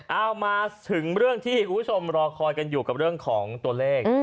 เอามาถึงเรื่องที่คุณผู้ชมรอคอยกันอยู่กับเรื่องของตัวเลข